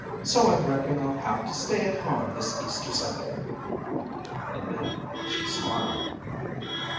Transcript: So, I reckon I'll have to stay at home this Easter Sunday." And then she smiled.